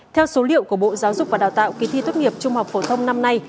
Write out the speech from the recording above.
theo số liệu của bộ giáo dục và đào tạo kỳ thi tốt nghiệp trung học phổ thông năm nay